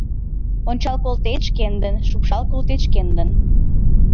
Ончал колтет — шкендын, шупшал колтет — шкендын.